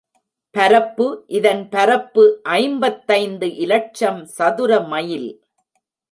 பரப்பு இதன் பரப்பு ஐம்பத்தைந்து இலட்சம் சதுர மைல்.